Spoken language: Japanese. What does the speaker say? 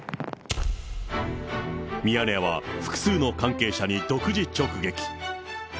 ミヤネ屋は複数の関係者に独自直撃。